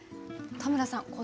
田村さん